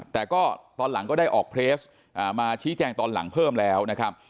แต่ก็ตอนหลังก็ได้ออกเพลสมาชี้แจงตอนหลังเพิ่มแล้วนะครับ